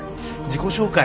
自己紹介